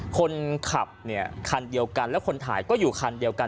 คนขับเนี่ยคันเดียวกันแล้วคนถ่ายก็อยู่คันเดียวกัน